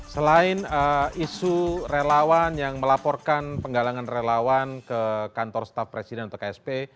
selain isu relawan yang melaporkan penggalangan relawan ke kantor staf presiden atau ksp